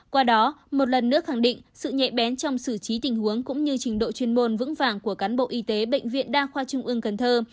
qua đó một lần nữa khẳng định sự nhạy bén trong xử trí tình huống cũng như trình độ chuyên môn vững vàng của cán bộ y tế bệnh viện đa khoa trung ương cần thơ